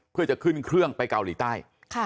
เพื่อจะขึ้นเครื่องไปเกาหลีใต้